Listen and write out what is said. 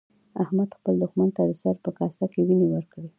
احمد خپل دوښمن ته د سر په کاسه کې وينې ورکړې.